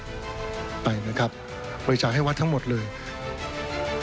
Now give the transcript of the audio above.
ชีวิตกระมวลวิสิทธิ์สุภาณีขวดชภัณฑ์